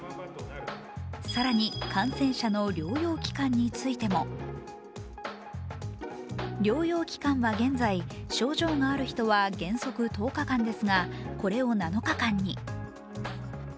更に、感染者の療養期間についても療養期間は現在、症状がある人は原則１０日間ですがこれを７日間に。